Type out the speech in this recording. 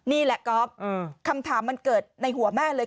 นี่แหละก๊อฟคำถามมันเกิดในหัวแม่เลย